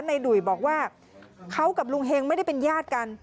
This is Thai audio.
ดุ่ยบอกว่าเขากับลุงเฮงไม่ได้เป็นญาติกัน